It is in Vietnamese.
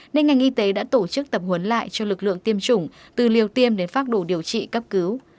nên ngành y tế đã tổ chức tập huấn lại cho lực lượng tiêm chủng từ liều tiêm đến phát đồ điều trị cấp cứu